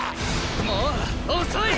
もう遅い！